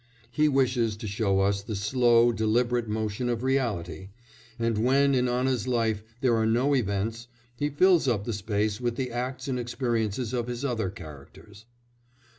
He wishes to show us the slow, deliberate motion of reality, and when in Anna's life there are no events, he fills up the space with the acts and experiences of his other characters.